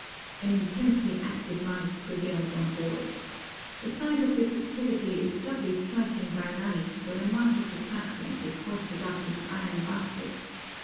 An intensely active life prevails on board. The sight of this activity is doubly striking by night when a mass of the cracklings is hoisted up in an iron basket.